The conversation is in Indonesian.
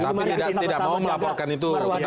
tapi tidak mau melaporkan itu